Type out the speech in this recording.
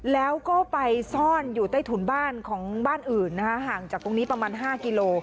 แล้วก็ไปซ่อนอยู่ใต้ถุนบ้านของบ้านอื่นนะคะห่างจากตรงนี้ประมาณ๕กิโล